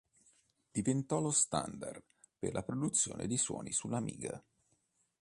Diventò lo standard per la produzione di suoni sull'Amiga.